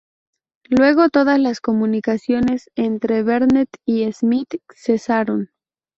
Luego, todas las comunicaciones entre Vernet y Smith cesaron.